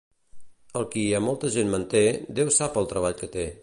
El qui a molta gent manté, Déu sap el treball que té.